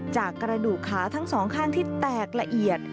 กระดูกขาทั้งสองข้างที่แตกละเอียด